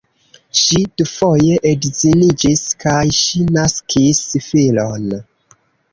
Ŝi dufoje edziniĝis kaj ŝi naskis filon.